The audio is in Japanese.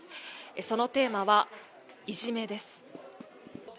そのテーマは、いじめです。